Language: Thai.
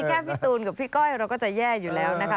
แค่พี่ตูนกับพี่ก้อยเราก็จะแย่อยู่แล้วนะคะ